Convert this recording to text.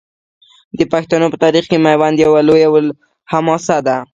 د پښتنو په تاریخ کې میوند یوه لویه حماسه ده.